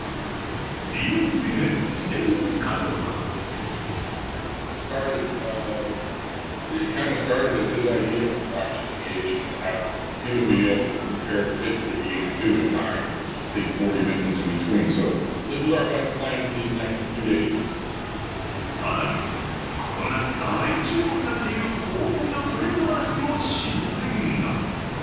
理由についてネビン監督は更に、この夏大注目されている大谷のトレード話にも進展が。